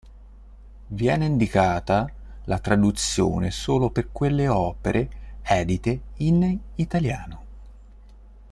Viene indicata la traduzione solo per quelle opere edite in italiano.